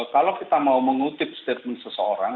kalau kita mau mengutip statement seseorang